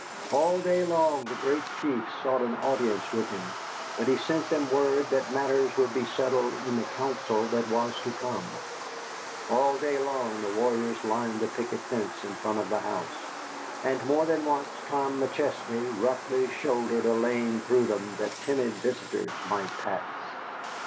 All day long the great chiefs sought an audience with him, but he sent them word that matters would be settled in the council that was to come. All day long the warriors lined the picket fence in front of the house, and more than once Tom McChesney roughly shouldered a lane through them that timid visitors might pass.